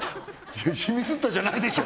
いやシミＳＴＴＡじゃないでしょ